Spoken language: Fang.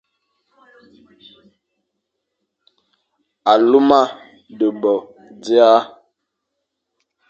Aluma dé bo dia,